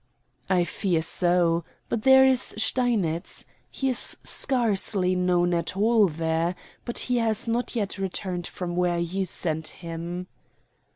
"I fear so; but there is Steinitz. He is scarcely known at all there; but he has not yet returned from where you sent him."